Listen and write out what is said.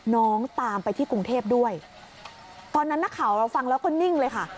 น้องตามไปที่กรุงเทพด้วยตอนนั้นนักข่าวเราฟังแล้วก็นิ่งเลยค่ะ